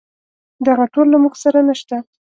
دغه ټول له موږ سره نشته.